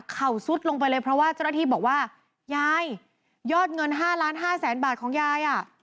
ซุดลงไปเลยเพราะว่าเจ้าหน้าที่บอกว่ายายยอดเงิน๕ล้านห้าแสนบาทของยายอ่ะ